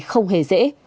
không hề dễ